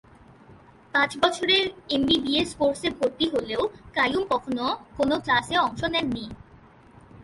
পাঁচ বছরের এমবিবিএস কোর্সে ভর্তি হলেও কাইয়ুম কখনো কোনো ক্লাসে অংশ নেননি।